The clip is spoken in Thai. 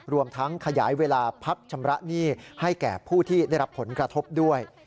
รวมทั้งขยายเวลาพักชำระหนี้ให้แก่ผู้ที่ได้รับผลกระทบด้วย